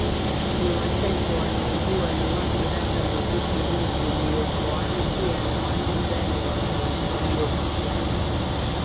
ni wachache wanaojua ni wapi hasa muziki huu ulipoanzia na ni watu gani waliovuja